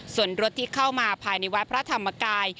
ส่วนรถที่เข้ามาภายในวัดพระธรรมกาย